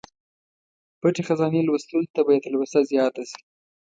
پټې خزانې لوستلو ته به یې تلوسه زیاته شي.